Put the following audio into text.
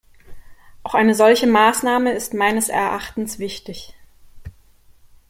Auch eine solche Maßnahme ist meines Erachtens wichtig.